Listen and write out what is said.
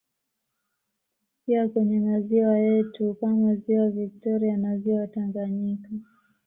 Pia kwenye maziwa yetu kama Ziwa viktoria na ziwa Tanganyika